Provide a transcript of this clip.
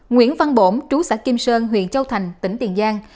nguyễn văn bổn chú xã kim sơn huyện châu thành tỉnh tiền giang